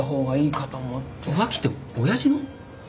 浮気って親父の？